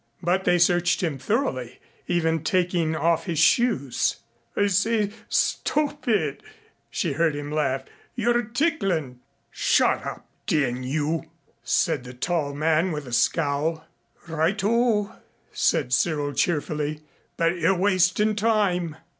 But they searched him thoroughly, even taking off his shoes. "I say, stop it," she heard him laugh. "You're ticklin'." "Shut up, d n you," said the tall man, with a scowl. "Right o!" said Cyril, cheerfully. "But you're wastin' time."